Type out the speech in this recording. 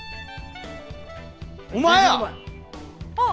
お前や！